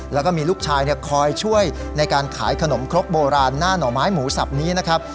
แล้วก็มีลูกชายคอยช่วยในการขายขนมครกโบราณหน้าหน่อไม้หมูสับนี้นะครับ